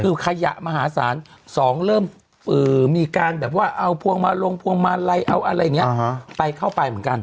คือขยะมหาศาลสองเริ่มมีการแบบว่าเอาพวงมาลงพวงมาลัยเอาอะไรอย่างนี้ไปเข้าไปเหมือนกัน